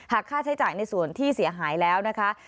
ค่าใช้จ่ายในส่วนที่เสียหายแล้วนะคะ